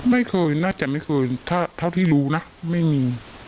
ไม่เคยน่าจะไม่เคยเท่าที่รู้นะไม่มี